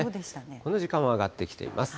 この時間は上がってきています。